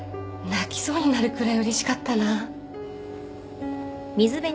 泣きそうになるくらいうれしかったな。